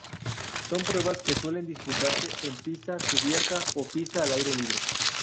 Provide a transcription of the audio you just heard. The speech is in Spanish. Son pruebas que suelen disputarse en pista cubierta o pista al aire libre.